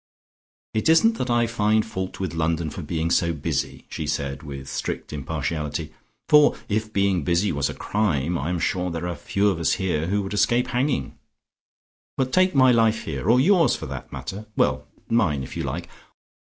"It isn't that I find fault with London for being so busy," she said with strict impartiality, "for if being busy was a crime, I am sure there are few of us here who would escape hanging. But take my life here, or yours for that matter. Well, mine if you like.